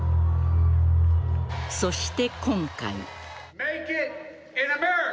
そして、今回。